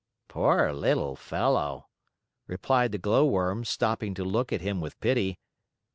"Poor little fellow!" replied the Glowworm, stopping to look at him with pity.